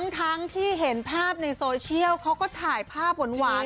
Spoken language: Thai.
ทั้งที่เห็นภาพในโซเชียลเขาก็ถ่ายภาพหวาน